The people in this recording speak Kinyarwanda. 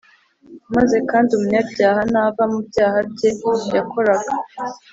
Maze kandi umunyabyaha nava mu byaha bye yakoraga